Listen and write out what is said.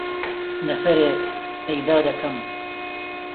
نەفەرێک پەیدا دەکەم.